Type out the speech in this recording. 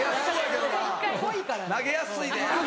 投げやすいで。